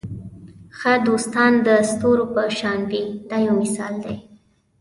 ښه دوستان د ستورو په شان وي دا یو مثال دی.